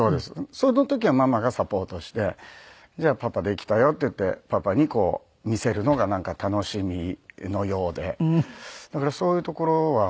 その時はママがサポートしてじゃあ「パパできたよ」って言ってパパにこう見せるのがなんか楽しみのようで。